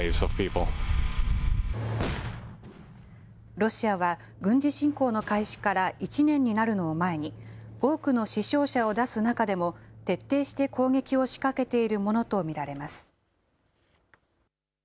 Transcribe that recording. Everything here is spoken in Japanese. ロシアは、軍事侵攻の開始から１年になるのを前に、多くの死傷者を出す中でも徹底して攻撃を仕掛けているものと見られます。